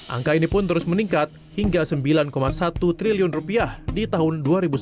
angka ini pun terus meningkat hingga sembilan satu triliun rupiah di tahun dua ribu sembilan belas